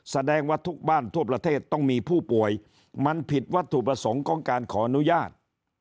แสดงว่าทุกบ้านทั่วประเทศต้องมีผู้ป่วยมันผิดวัตถุประสงค์ของการขออนุญาต